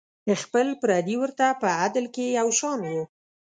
خپل پردي ورته په عدل کې یو شان وو.